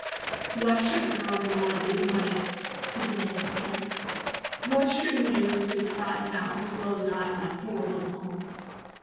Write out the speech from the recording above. "Why shouldn't Norman Lloyd lose money?" he demanded again. "Why shouldn't he lose his fine house as well as I my poor little home?